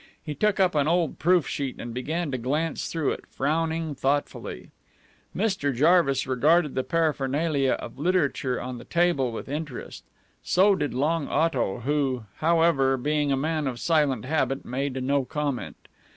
He took up an old proof sheet and began to glance through it, frowning thoughtfully. Mr. Jarvis regarded the paraphernalia of literature on the table with interest. So did Long Otto, who, however, being a man of silent habit, made no comment.